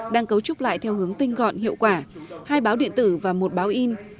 đang cấu trúc lại theo hướng tinh gọn hiệu quả hai báo điện tử và một báo in